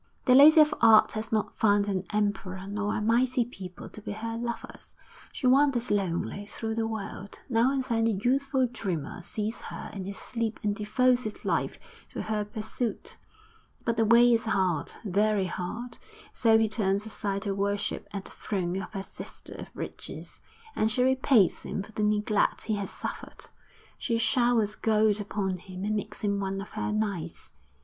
The Lady of Art has not found an emperor nor a mighty people to be her lovers. She wanders lonely through the world; now and then a youthful dreamer sees her in his sleep and devotes his life to her pursuit; but the way is hard, very hard; so he turns aside to worship at the throne of her sister of Riches, and she repays him for the neglect he has suffered; she showers gold upon him and makes him one of her knights.